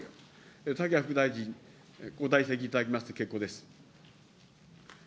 竹谷副大臣、ご退席いただきまして結構です。